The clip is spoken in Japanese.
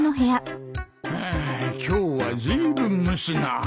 ああ今日はずいぶん蒸すな。